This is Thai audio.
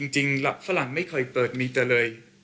จริงฝรั่งไม่เคยเปิดมีเตอร์เลย